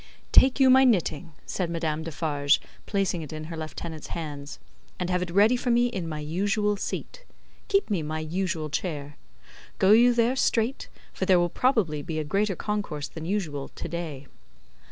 "Take you my knitting," said Madame Defarge, placing it in her lieutenant's hands, "and have it ready for me in my usual seat. Keep me my usual chair. Go you there, straight, for there will probably be a greater concourse than usual, to day."